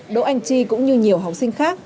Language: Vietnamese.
đỗ anh chi cũng như nhiều học sinh khác